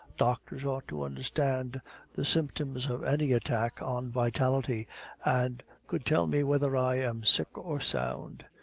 Doctors ought to understand the symptoms of any attack on vitality, and could tell me whether I am sick or sound."